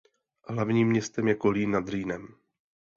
Hlavním městem je Kolín nad Rýnem.